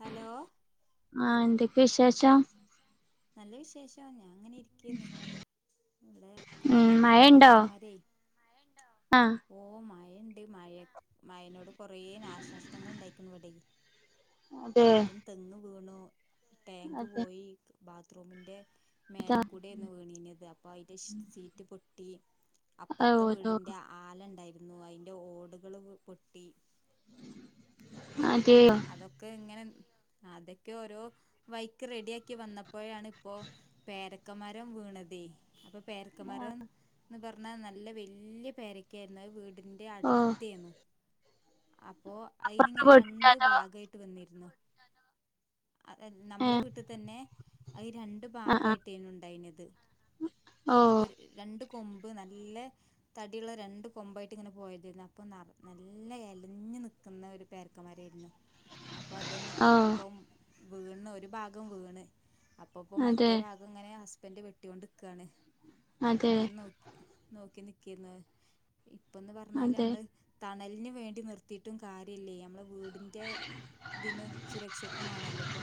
Hello ആഹ് എന്തൊക്കെ വിശേഷം നല്ല വിശേഷമാണ് ഞാൻ അങ്ങനെ ഇരിക്കെന്നു ഇവിടെ ഉം മഴണ്ടോ പേരക്ക മര ആഹ് ഓ മായ മഴുണ്ട് മഴ മഴനോട് കൊറെ നാശനഷ്ടങ്ങൾ ഉണ്ടായിരിക്കുന്നുവിട അതെ ആദ്യം തെങ്ങ് വീണു ടാങ്ക് അതെ പോയി ബാത്ത്റൂമിന്റെ- അതാ മേലക്കൂടെയന്ന് വീണീനത് അപ്പൊ അതിന്റെ സീറ്റ് പൊട്ടി [unintelligible] അപ്പുറത്തെ ഓതോ വീടിന്റെ ആലുണ്ടായിരുന്നു അതിന്റെ ഓടുകൾ പൊട്ടി [unintelligible] [inaudible] അതൊക്കെ ഇങ്ങനെ അതൊക്കെ ഓരോ വൈക്ക് റെഡി ആക്കി വന്നപ്പോഴാണ് ഇപ്പോ പേരക്ക മരം വീ- അ പരക്ക മരംന്ന് പറ നല്ല വ പരക്ക വീ- എന്റെ ഓ അടുത്തേന്നു അപ്പോ അതിനി അപ്പറത്തെ ഇങ്ങനെ വീടിന്റെ രണ്ട് അതോ ഭാഗമായിട്ട് വന്നിരുന്നു അ നമ്മളെ ഏഹ് വീട്ടിൽ തന്നെ രണ്ട് ആഹ് ആഹ് ഭാഗമായിട്ടോണ് ഉണ്ടായിത് ഓ ഒരു രണ്ട് കൊമ്പ് നല്ല തടിയുള്ള രണ്ട് കൊമ്പായിട്ട് ഇങ്ങനെ പോയരുന്നു അപ്പ നല്ല ഇല- കുഞ്ഞു നിൽക്കുന്ന ഒരു പേരക്കന്മാരായിരുന്നു അപ്പൊ അത ഓ ഇപ്പം വീണ് ഒരു ഭാഗം വീണ് അപ്പപ്പോ അതെ മറ്റേ ഭാഗം ഇങ്ങനെ ഹസ്ബൻഡറ് വെട്ടികൊണ്ട്ിക്കുവയാണ് അപ്പൊ അതെ ഇങ്ങനെ നോക്കി നോക്കി നിക്കിന്ന് ഇപ്പന്ന് പറഞ്ഞാല് അതെ നമ്മള് തണലിനന് വേണ്ടി നിർത്തിയിട്ടും കാര്യമല്ലേ നമ്മളെ വീട് മറ്റ ഇ സുരക്ഷക്കുംമാണല്ലോ ഇപ്പോൊ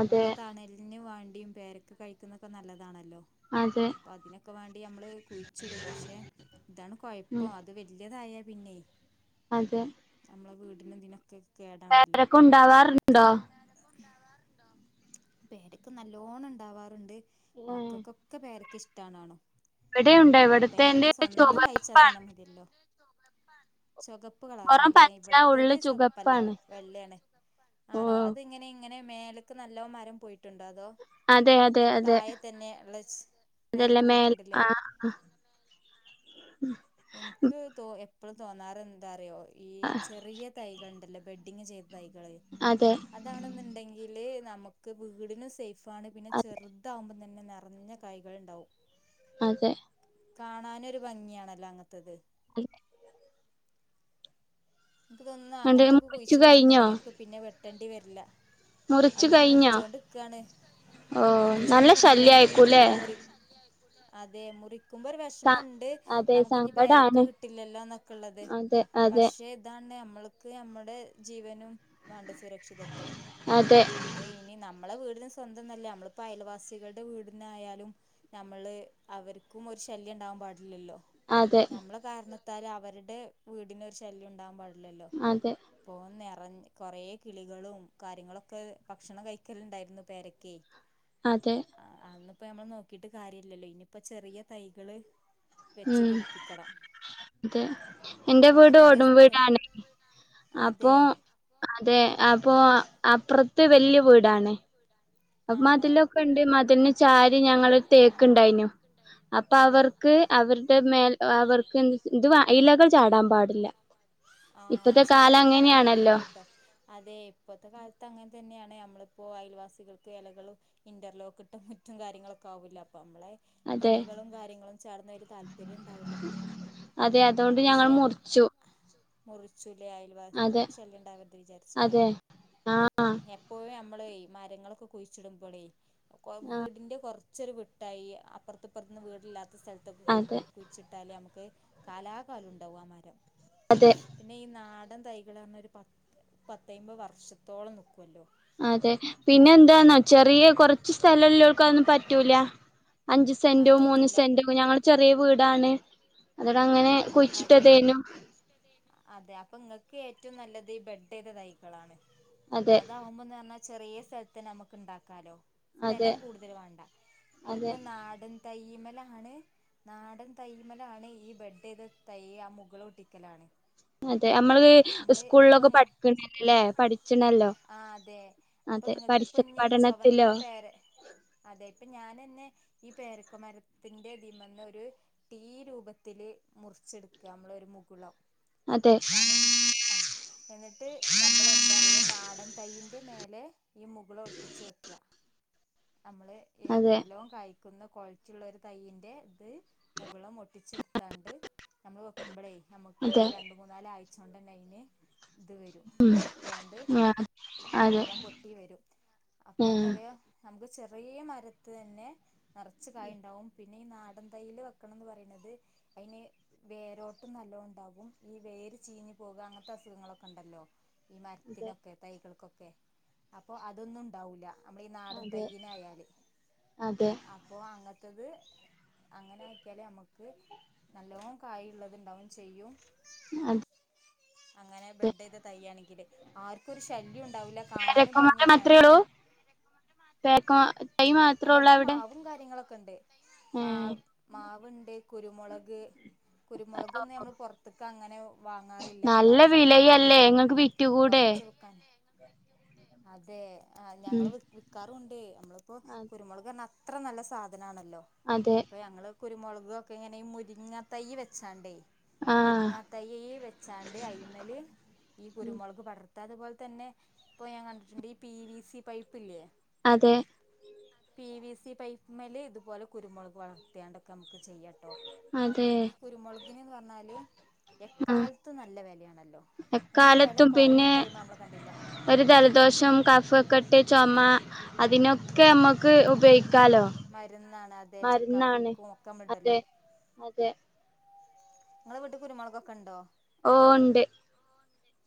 അതെ തണലിന് വേണ്ട പേരൊക്കെ കഴിക്കുന്നൊക്കെ നല്ലാണല്ലോ അതെ അപ്പൊ അതിനൊക്കെ വേണ്ടി നമ്മള് കുഴിച്ചിടും പക്ഷെ ഇതാണ് ഉം കുഴപ്പം അത് വല്യതായ പിന്നെ അതെ നമ്മളെ വീടിനന്തിനൊക്കെ വേരൊക്കെ ഉണ്ടാവാറുണ്ടോ പേടക്ക്െ നല്ലോണം ഉണ്ടാവാറുണ്ട് മക്കൾക്കൊക്കെ പേരൊക്കെ ഇഷ്ടാണോ ഇവിടെുണ്ട ഇവിടത്തെ എറെ കഴിച്ചാൽ ചോപപ്പാണ് തന്നെ മതിയല്ലോ ചുകപ്പ് കളറ പുറം ആണല്ലേ പച്ച ഇവിടത്തത് ഉള്ള് ചുകപ്പല്ല ചുകപ്പാണ് വെള്ളയാണ് ഓ ആണോ അത്ങ്ങനെ അങ്ങനെ മേലക്ക് നല്ല മരം പോയിട്ടുണ്ട്ോ അതോ അതെ താഴെ തന്നെ ഉള്ള അതല്ല മേ ആഹ ആഹ എനിക്ക് തോ എപ്പോഴും തോന്നാറ് എന്താറിയോ ഈ ആഹ് ചെറിയ തൈ കണ്ടല്ലേ ബെഡഡിങ് ചെയ്ത തൈകള് അതെ അതാണെന്നുണ്ടെങ്കില് നമുക്ക് വീടിനും സേഫ ഫാണ് പിന്നെ അതെ ചെറുതാകുമ്പോം തന്നെ നിറഞ്ഞ കായികളുണ്ടാവും ആതെ കാണാനരു ഭംഗിയാണല്ലോ അങ്ങനത്തേത് ഉ നമുക്ക് തോന്നുന്നു ന്നട്ട് അങ്ങനത്തൊക്കെ മുറിച്ചു കഴിഞ്ഞോ കുഴിച്ചിടാണെന്നുണ്ടെങ്കി നമുക്ക് പിന്നെ വെട്ടേണ്ടി വരില്ല മുറിച്ചു അതും കഴിഞ്ഞോ മുറിച്ചോണ്ട്ക്കയാണ് ഓ നല്ല ശല്യംയിക്കൂലെ മുറി അതെ മുറിക്ക് ക്കുമ്പോ ഒരു വിഷമുണ്ട് അതെ നമുക്ക് ഇനി പേരൊക്കെ സങ്കടാണ് കിട്ടില്ലല്ലോന്നൊക്കെള്ളത് അതെ അതെ പക്ഷേ അതാണ് നമ്മൾക്ക് നമ്മുടെ ജീവനും വേണ്ടത് സുരക്ഷിതത്വം അതെ അപ്പൊ ഇനി ന നമ്മളെ വീടും സ്വന്തംല്ല നമ്മളിപ്പോ അയൽവാസികളുടെ വീടന്നായാലും നമ്മള് അവർക്കും ഒരു ശല്യംണ്ടകാൻ പാടില്ലല്ലോ അതെ നമ്മള കാരണത്താൽ അവരുടെ വീടിനരു ശല്യം ഉണ്ടാവാൻ പാടി അതെ പോ [inaudible] കൊറെ കിളികളും കാര്യങ്ങളൊക്കെ ഭക്ഷണം കഴിക്കലുണ്ടായിരുന്നു പേരക്ക് അതെ ഇന്ന ഇപ്പോ നമ്മൾ നോക്കിട്ട് കാര്യമല്ലല്ലോ ഇനിയിപ്പ ചെറിയ തൈകള് ഉ വെച്ച് പിടിപ്പിക്കണം അതെ എന്റെ ഇവിടെ വീട് കൊറേ കടുംവീട് സ്ഥ ണെഅപ്പൊ അതെ അതെ അപ്പോൾ അപ്പുറത്ത് വലിയ വീടാണ് അപ്പ ആണോ മതിലൊക്കെ ഇണ്ട് മതിലന് ചാരി ഞങ്ങളരു തേക്ക് ഇണ്ടായിനു അപ്പൊ അതെ അവർക്ക് അവരുടെ മേൽ അവർക്ക് എ ഇത് ഇലകൾ ചാടാൻ പാടില്ല ആഹ ഇപ്പത്തെ കാലം ചിലവർക്ക് അങ്ങനെയാണല്ലോ അങ്ങനെയണ്ട്ട്ട അതെ ഇപ്പത്തെ കാലത്ത് അങ്ങനെ തന്നെയാണ് നമ്മളിപ്പോൾ നമ്മളിപ്പോഅയൽവാസികൾക്ക് ഇലകളൾ ഇന്റർലോക്ക് ഇട്ടും മറ്റു കാര്യങ്ങളൊക്കെ ആാവില്ല അപ്പ നമ്മളെ അതെ ഇലകളും കാര്യങ്ങളും ചാടുന്ന ഒരു താല്പര്യം ഇണ്ടാവില്ല അതെ അതുകൊണ്ട് ഞങ്ങൾ മുറിച്ചു മുറിച്ചുല്ലേ അതെ അയൽവാസകൾക്ക് ശല്യം ഉണ്ടാവരുത് വിചാരിച്ചല്ലേ അതെ ആഹ് എപ്പോഴും നമ്മളെമരങ്ങളൊക്കെ കുഴിച്ചിടുമ്പോളേ ആഹ് വീടിന്റെ കുറ ച്ചെറ വട്ടായി അപ്പുറത്ത്പ്പറത്ത്ന്ന് വീടില്ലാത്ത സ്ഥലത്തൊക്കെ കുഴി അതെ കുഴിച്ചിട്ട് നമുക്ക് കാലാകാലം ഉണ്ടക മരം അതെ പിന്നെ ഈ നാ ടൻതൈകളാകുമ്പോ ഒരു പ പത്തമ്പത് വർഷത്തോളം നൽക്കുവല്ലോ അതെ പിന്നെ ന്താന്നോ ചെറിയെ കൊറച്ച് സ്ഥലല്ലോല്ക്കതൊന്നും പറ്റൂല. അഞ്ച് ആ സെന്റോ മൂന്ന് പറ്റൂല സെന്റോ ഞങ്ങൾ ചെറിയ വീടാണ് അതോട ങ്ങനെ അതെ അതെ അപ്പൊ ഇങ്ങക്കേറ്റും നല്ലത് ബെഡൈത തൈകളാണ്. അതെ അതാവുമ്പോന്ന ർഞ്ഞാ ചെറിയ സ്ഥൽത്തെന്നെ അമ്മക്ക് ണ്ടാക്കാലോ. അതെ സ്ഥലം കൂട്തല് വാണ്ട അതെ അതിപ്പോനാട തൈയ്യ്മലാണ് നാടൻ തൈമലാണ് ഈ ബഡൈത് തൈയ്യ് ആ മുകള് ഒട്ടിക്കലാണ്. അതെ അമ്മള് നമ്മള് ഇപ്പ സ്കൂളൊക്കെ പഠിച്ച്ണല്ലല്ലേ പഠിച്ച്ണല്ലോ. ആഹ് തെ അപ്പൊ ഇങ്ങക്ക് പ്പഞ് ചൊകന്ന പഠനത്തിലോ പേരെ അതെ ഇപ്പൊ ഞാനെൻ ന്നെ ഈ പേരക്ക മരത്തിന്റെതിമന്നൊരു ടീ രൂപത്തില് മുറ് ച്ച്‌ട്ക്കാ നമ്മളൊരു മുകുളം. അതെ കാരണം ഇൻ ആഹ് എന്നിട്ട് നമ്മളെന്താറ്യോ നാടൻ തയ്യിൻ്റെ മേലെ ഈ മുകുളം ഒട്ടിച്ച് വെക്ക. നമ്മള് ഏഹ് അതെ നല്ലോം കായി ക്ക്ന്ന കോഴച്ച്ള്ളൊരു തയ്യിന്റെ ത് മുകുളം ഒട്ടിച്ചിട്ട്ത്താണ്ട് നമ്മള് വെക്കുമ്പളെയ് നമ്മക്ക് അതെ രണ്ട് മൂന്നാലായ്ച്ചോണ്ടെന്നെ അയിന് ഇത് വെരും പൊട്ട്യാണ്ട്. ആഹ് അതെ മുകുളം പൊട്ടി വെരും. ഉം അപ്പെന്താറ്യോ നമക്ക് ചെ റ്യേ മരത്ത് തന്നെ നറച്ച് കായ്ണ്ടാവും പിന്നെ ഈ നാടൻ തൈയില് വെക്കണന്ന് പറിണത് അയ്ന് വേരോട്ടം നല്ലോ ണ്ടാകും ഈ വേര് ചീഞ്ഞ് പോവാ അങ്ങൻത്തസുഖങ്ങളൊക്കെണ്ടല്ലോ. ഈ അതെ മര്ത്തിനൊക്കെ തൈകൾക്കൊക്കെ അപ്പൊ അതൊന്നുണ്ടാവുല്ല. അമ്മളെ ഈ നാടൻ അതെ തയ്യ്നായാല് അതെ അപ്പൊ അങ്ങത്തത് അങ്ങനാക്ക്യാല് അമ്മക്ക് നല്ലോം കായ്ള്ളത്ണ്ടാവും ചെയ്യും. അതെ അങ്ങനെ ബെഡ് തെയ് തയ്യണ്ങ്കില് ആർക്കും ഒരു ശല്യ പേരക്ക മാത്രേ ഉള്ളൂം പേരക്ക തൈ മാത്രേ ഉള്ളു അവിടെ? ണ്ട് ഉം മാവ് മാവുണ്ട് കുരുമുളക് കുരുമുളക് ഒന്നും നമ്മൾ പുറത്ത്ക്ക് അങ്ങനെ വാങ്ങാറില്ല നമ്മളെ നല്ല ആവശ്യത്തിനൊക്കെയുള്ള വിലയല്ലേ ഇങ്ങക്ക് കുരുമുളകും വിറ്റുകൂടെ കുറച്ച് വിക്കാൻ അതെ ആ ഉം ഞങ്ങള് വിക്ക് വിക്കാറുണ്ട് നമ്മളിപ്പോ കുരുമുളകന്ന അ അത്ര നല്ല സാധനമാണല്ലോ അതെ ഇപ്പൊ ഞങ്ങള് കുരുമുളക്കെ ഇങ്ങനെ മുരിങ്ങ തൈ വെച്ചാണ്ടേ. ആഹ് മുരിങ്ങാ തൈയ് വെച്ചാണ്ട് അയിമേല് ഈ കുരുമുളക് പടർത്ത അതുപോലെ തന്നെ ഇപ്പൊ ഞാൻ കണ്ടിട്ടുണ്ട് ഈ പി വി സി പൈപ്പ് ഇല്ലേ. അതെ പി വി സി പൈപ്പ്മേലെ ഇതുപോലെ കുരുമുളക് വളർത്തിയാണ്ടൊക്കെ ചെയ്യട്ടോ അതെ കാരണം ഈ കുരുമുളകിന് ന്ന് പറഞ്ഞാല് ആഹ് എക്കാലത്തു നല്ല വിലയാണല്ലോ അതിൻ്റെ ഒരു വില എക്കാലത്തും കുറയുന്ന പിന്നെ ടൈം നമ്മള് കണ്ടില്ല ഒരു ജലദോഷം, കഫക്കട്ട്, ചുമ അതിനൊക്കെ നമുക്ക് ഉപയോഗിക് മരുന്നാണ് അതെ ചുക്കാപ്പിക്കും അതെ ഒക്കമുണ്ടല്ലോ അതെ നിങ്ങളടെ വീട്ടി കുരുമുളകൊക്കെ ഉണ്ടോ ഓഹ് ഒണ്ട്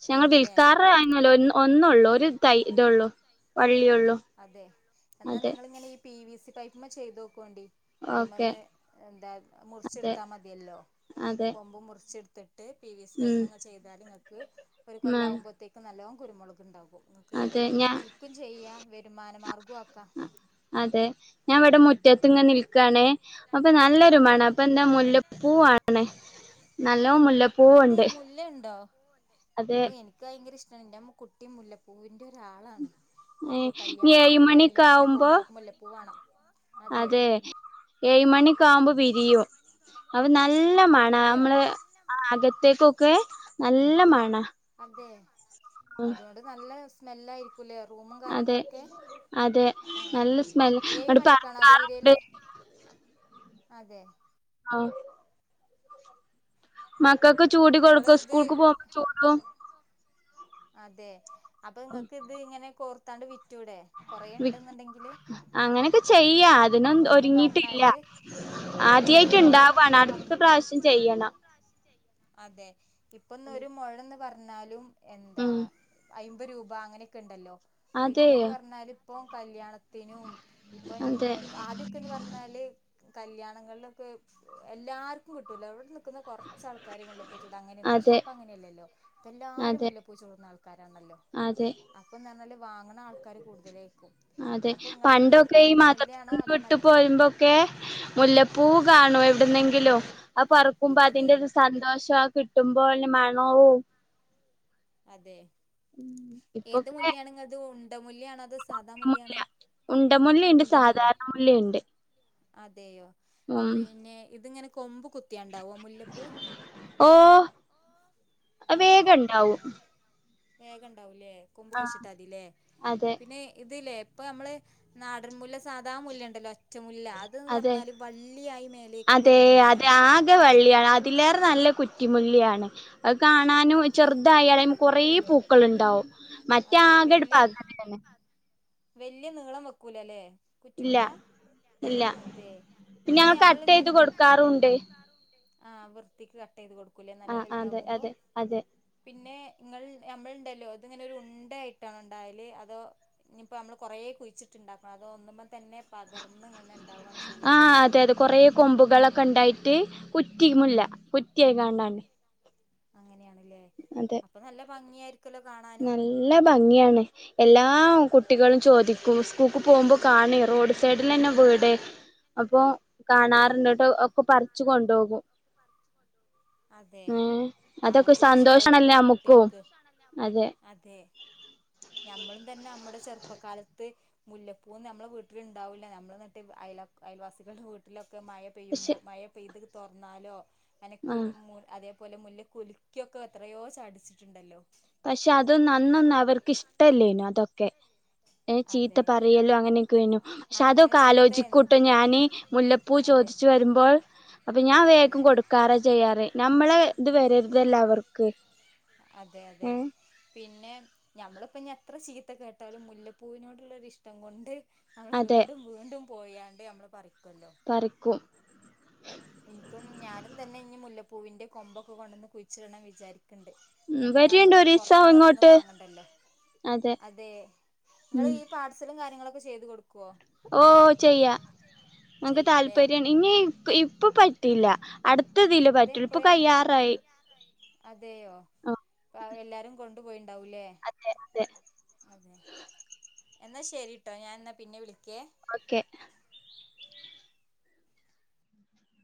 ച്ച ഉണ്ടല്ലേ വിൽക്കാറെ ആല്ലോ ഒ ഒന്നുള്ളൂ ഒരു തൈ ഇതൊള്ളൂ അതെ എന്നാ നിങ്ങിളങ്ങനെ ഈ പി വി സി പൈപ്പിമ്മ ചെയ്ത് നോക്കോണ്ടി ഓക്കെ അയിമന്ന് എന്താ അതെ മുറിച്ചെടുത്താ മതിയല്ലോ അതെ കൊമ്പ് മുറിച്ചെടു പി വിസി പൈപ്പ്ങ്ങ് ഉം ചെയ്താൽ നിങ്ങൾക്ക് ഒരു ആ കൊല്ലാപോത്തേക്കും നല്ലോ കുരുമുളക് ഉണ്ടാകും. നിങ്ങക്ക് അതെ ഞാൻ വിൽക്കും ചെയ്യാ വരുമാന മാർഗം ആക്കാം. ഞാൻവിടെ മു റ്റത്തിങ്ങ നിൽക്കണേ അപ്പൊ നല്ലൊരു അതെ മണം അപ്പൊ എന്താ മുല്ലപ്പൂവാണേ. നല്ലോം അതെ മുല്ലപ്പൂവുണ്ട്. മുല്ലയുണ്ടോ അതെ ഓ എനിക്ക് ഭയങ്കര ഇഷ്ടമാണ്. എന്റെമ്മ കുട്ടി മുല്ല പൂവിന് എ ഒരാളാണ് ഇപ്പൊ ഇനി ഏഴ് കല്യാണങ്ങളിലായാലും മണിയൊക്കെ അങ്ങനെ ആവുമ്പോ പോകുമ്പോള ആവൾക്ക് മുല്ലപൂ വേണം. അതെ ഏഴ് മണിക്ക ആവുമ്പോ വിരിയും. അ ന നല്ല മണാ വിരിയോ നമ്മള് ആ അകത്തേക്കൊക്കെ നല്ല മണാ അതെ അതുകൊണ്ട് നല്ല സ്മെല്ലയിരിക്കുംല്ലേ റൂമും അതെ കാര്യങ്ങളൊക്കെ. അതെ ആ നല്ല സ്മെല് ഏഴ് നടെ പ മണിക്കാണോ പ അത് ണ്ട് വിരിയല് അതെ [unintelligible] മക്കൾക്ക് ചൂടി നിങ്ങള് കൊടുക്കും. ഇത് സ്കൂൾക്ക് പോകുമ്പ ചൂടും. അതെ അപ്പൊ നിങ്ങൾക്ക് ഇത് ഇങ്ങനെ കോർത്താണ്ട് വി വിക് അങ്ങനൊക്കെ ചെയ്യാം. അതിനൊ ഇപ്പൊന്ന് ഒരുങ്ങിട്ടില്ല. പറഞ്ഞാല് ഒരു ആദ്യായിട്ട് മുഴം ഉണ്ടാവുവയാണ് അം അടുത്ത പ്രാവശ്യം ചെയ്യണം. അതെ ഇപ്പൊന്ന ഒരു മൊഴന്ന് പറഞ്ഞാലും എന്താ ഉം അയ് രൂപ അങ്ങനെയൊക്കെ ഉണ്ടല്ലോ. അതെ പിന്നെന്ന് പറഞ്ഞാൽ ഇപ്പ കല്യാണത്തി ത്തിനും ഇപ്പൊ അതെ ആദ്യക്കെന്ന് പറഞ്ഞാല് കല്യാണങ്ങളിലൊക്കെ എല്ലാർക്കും കിട്ടൂല എവിടെ നിക്കുന്ന കുറച്ചാൾക്ക മുല്ലപ്പൂച്ചൂട അങ്ങന പക്ഷെ അതെ ഇപ്പൊ അങ്ങനെയല്ലോ ഇപ്പ എല്ലാവാരും അതെ മുല്ലപ്പൂച്ചൂടുന്ന ആൾക്കാരാണല്ലോ അതെ അപ്പൊന്ന് പറഞ്ഞാല് വാങ്ങണ ആൾക്കാര് കൂടുതല ആക്കും അതെ പണ്ടൊക്കെ ഈ മദ്രസ ത്തിന്ന് അതോ വിട്ട് മറ്റേ പോരു്പോൊക്കെ മുല്ലപ്പൂ അതെ കാണും ുന്നെങ്കിലോ ആ പറക്കുമ്പോ അതെ അതിന്റെ ഒരു സന്തോഷം കിട്ടുമ്പോെ മണവും അതെ ഏത് മുല്യാാണെങ്കും അത് ണ്ട മുല്ല ഉണ്ട മുല്ലയുണ്ട് ഉണ്ടമുല്ല സാധാരണ മുല്ലയുണ്ട് അതെയോ ഉം പിന്നെ ഇതിങ്ങനെ കൊമ്പ് കുത്തിയണ്ടാവ മുല്ലപ്പൂ അ ആണോ വേഗ ഇണ്ടാവും വേഗം ഉണ്ടാവൂല്ലേ കൊമ്പ് കുഴിച്ചിട്ടാതില്ലേ അതെ പിന്നെ ഇത്ല്ലേ ഇപ്പൊ നമ്മള് നാടൻമൂല് സാധാ മൂല്യുണ്ടല്ലോ ഒച്ച മുല്ല അതന്ന് അതെ പറഞ്ഞാല് വള്ളിയായി മേലേക്ക് അതെ പോകുന്ന അതെ മുല്ലാണല്ലോ കിമല്ലിയാണ് അത് കാണാനും ചെറുതായാലേ കുറേ പൂക്കളുണ്ടാവും മറ്റയാ ആ ഗടപ്പാകതെ വലിയ നീളം വെക്കൂല അല്ലേ ഇല്ല ഇല്ല പിന്നെ ഇത് ഞങ്ങ കട്ട് ചെയ്ത് നമ്മളിങ്ങനെ കൊടുക്കാറുംണ്ട് ആഹ് വൃത്തിക്ക് കട്ട് ചെയ്ത് കൊടുക്കൂല്ലേ നല്ല അതെ വലുതാകുമ്പോ അതെ അതെ പിന്നെ നിങ്ങൾ നമ്മളുണ്ടല്ലോ അത് ഇങ്ങനെ ഒരു ട്ടണ ഉണ്ടായല് അതോ ഇപ്പോ നമ്മള് കൊറേ കുഴിച്ചിട്ട്ണ്ടാക്കണം അോ ഒന്ന ആഹ അതെതെ കൊറ കൊമ്പുകളൊക്കെ ഉണ്ടായിട്ട് കുറ്റിുമല്ല കുറ്റിയായി കാണ്ടണ്ട് അങ്ങനെയാണല്ലേ അപ്പൊ നല്ല ഭംഗിയായി നല്ല ഭംഗിയാണ് എല്ലാ കുട്ടികളും ചോദിക്കും സ്കൂൾക്ക് പോകുമ്പോ കാണറ റോഡ് സൈഡിൽ തന്നെ പോയിടെേ അപ്പോൾ അതെ കാണാറുണ്ടിട്ട് ഒക്കെ പറിച്ചു കൊണ്ടുപോകും അതെ അതൊക്കെ അവർക്കൊക്കെ സന്തോഷാണല്ലേ ഇഷ്ടായിരിക്കല്ലോ നമ്മുക്കും കുട്ടികൾക്ക് അതെ ഞമ്മളും തന്നെ നമ്മുടെ ചെറുപ്പകാലത്ത് മുല്ലപ്പൂവും നമ്മളെ വീട്ടിലുണ്ടാവില്ല നമ്മൾട്ട് അ അയൽവാസികളുടെ വീട്ടിലൊെ മഴ പക്ഷെ പെയ്യുമ്പോ മഴ പെയ്ത് തുറന്നാലോ അങ്ങനെ ആഹ് അതേല അപോലെ മുല്ല കുലുക്കൊക്കെ എത്രയോ ചടിച്ചിട്ടുണ്ടല്ലോ പക്ഷെ ക്കെ ഏ ചീത്ത അതെ പറയല്ലോ അങ്ങനെയൊക്കെ വു പക്ഷെ അങ്ങനെ അതൊക്കെ ചീത്ത എ ആലോചിക്കൂട്ടും ഞാന് മുല്ലപ്പൂ അതെ ചോദിച്ച വരുമ്പോൾ അപ്പൊ ഞാൻ വേഗം അതെ കൊടുക്കാറ ചെയ്യാറ് നമ്മളെ ഇത് വര ഇതെല്ലാവർക്ക് അതെ അതെ പിന്നെ നഞമ്മളിപ്പഞ എത്ര ചീത്ത കേട്ടാലും മുല്ലപ്പൂവിനോടുള്ളരി ഇഷ്ടം കൊണ്ട് നമ്മൾ അതെ വീണ്ടും വീണ്ടും പോയാണ്ട് നമ്മൾ പറും പരക്കും എനിക്കും ഞാനും തന്നെ ഇനി മുല്ലപ്പൂവിന്റെ കൊമ്പൊക്കെ കൊണ്ടന്ന് കുഴിച്ചിടണം വിചാരിക്കും ണ്ട് ഉം എന്ന പിന്നെ വരിയുണ്ട് നമ്മള് ഒരീസം പുറത്തന്ന് എവിടന്ന് ഇങ്ങോട്ട് വാങ്ങണ്ടല്ലോ അതെ നിങ്ങ ഉം ഈ പാഴ്സലും കാര്യങ്ങളൊക്കെ ചെയ്ത് കൊടുക്കും ഓ ചെയ്യാ നിങ്ങക്ക് ചെയ്യൂല്ലേ താല്പര്യം ഇനി ഇപ്പൊ പറ്റില്ല അടുത്തതില് പറ്റ ഇപ്പ അതെപ്പോഴാണ് കയ്യാറായി അതെയോ ആ എല്ലാരും കൊണ്ടുപോയി ണ്ട അതെ അതെ അതെ എന്നാ ശരിട്ടോ ഞാൻാ പിന്നെ വിളിക്ക ഓക്കെ